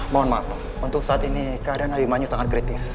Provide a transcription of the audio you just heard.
mohon maaf untuk saat ini keadaan abimanyu sangat kritis